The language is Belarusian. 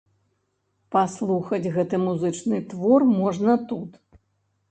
Паслухаць гэты музычны твор можна тут.